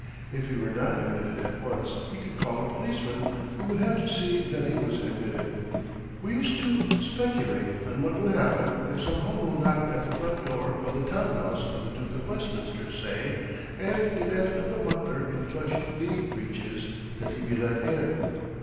If he were not admitted at once he could call a policeman, who would have to see that he was admitted. We used to speculate on what would happen if some hobo knocked at the front door of the town house of the Duke of Westminster, say, and demanded of the butler in plush knee breeches that he be let in.